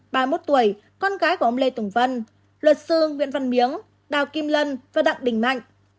ba mươi một tuổi con gái của ông lê tùng văn luật sương nguyễn văn miếng đào kim lân và đặng đình mạnh